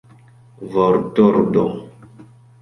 vortordo